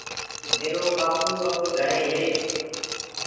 ميرو ٻآپو اب گھري هي۔